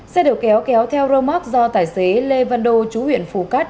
xe đầu kéo kéo theo remote do tài xế lê văn đô chú huyện phú cát